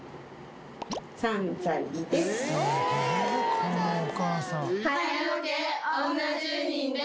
このお母さん。